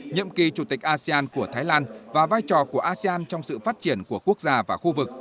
nhiệm kỳ chủ tịch asean của thái lan và vai trò của asean trong sự phát triển của quốc gia và khu vực